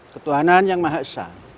ketuhanan yang maha esa